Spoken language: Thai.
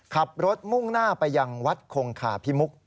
ขับรถมุ่งหน้าไปยังวัดคงคาพิมุก